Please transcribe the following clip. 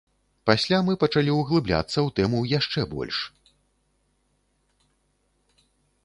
Пасля мы пачалі ўглыбляцца ў тэму яшчэ больш.